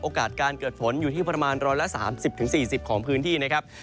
โอกาสการเกิดฝนอยู่ที่ประมาณร้อยละ๓๐๔๐ของพื้นที่นะครับ